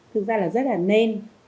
thực ra là rất là nên